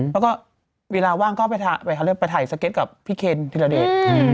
แล้วก็เวลาว่างก็ไปถ่ายสเก็ตกับพี่เคนธิรเดช